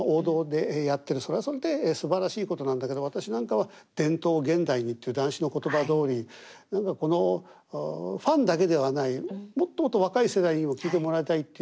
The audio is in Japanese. それはそれですばらしいことなんだけど私なんかは「伝統を現代に」っていう談志の言葉どおり何かこのファンだけではないもっともっと若い世代にも聴いてもらいたいっていう。